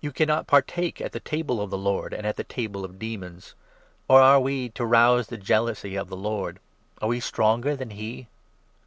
321 You cannot partake at the Table of the Lord and at the table of demons. Or ' are we to rouse the jealousy of the Lord '? 22 Are we stronger than he